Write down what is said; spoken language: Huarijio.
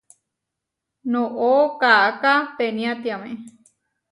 Noʼó kaʼáká peniátiame.